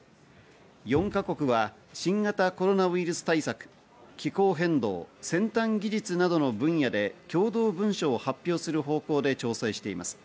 ４か国は新型コロナウイルス対策、気候変動、先端技術などの分野で共同文書を発表する方向で調整しています。